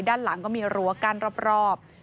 ด้านหลังก็มีรั้วกั้นรอบ